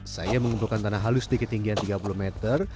saya mengumpulkan tanah halus di ketinggian tiga puluh meter